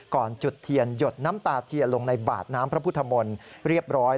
จุดเทียนหยดน้ำตาเทียนลงในบาดน้ำพระพุทธมนต์เรียบร้อย